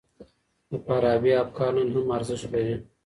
د فارابي افکار نن هم ارزښت لري.